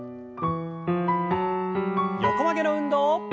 横曲げの運動。